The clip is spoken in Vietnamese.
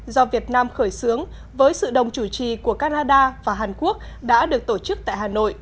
do việt nam khởi xướng với sự đồng chủ trì của canada và hàn quốc đã được tổ chức tại hà nội